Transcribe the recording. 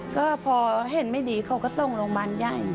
ก็พอเห็นไม่ดีเขาก็ส่งโรงบาณใย